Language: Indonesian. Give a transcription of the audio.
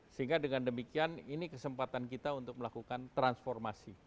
sehingga dengan demikian ini kesempatan kita untuk melakukan transformasi